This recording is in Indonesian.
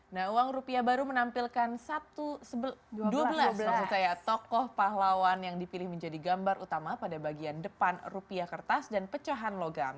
nah uang rupiah baru menampilkan tokoh pahlawan yang dipilih menjadi gambar utama pada bagian depan rupiah kertas dan pecahan logam